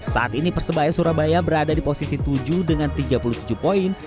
saat ini persebaya surabaya berada di posisi tujuh dengan tiga puluh tujuh poin